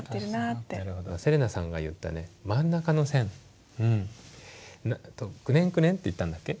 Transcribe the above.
せれなさんが言った真ん中の線「くねんくねん」って言ったんだっけ？